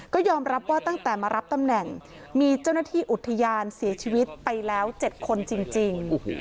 ก็ยอมรับว่าตั้งแต่มารับตำแหน่งมีเจ้าหน้าที่อุทยานเสียชีวิตไปแล้ว๗คนจริง